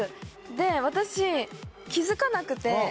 で私気付かなくて。